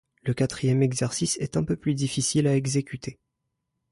Le quatrième exercice est un peu plus difficile à exécuter.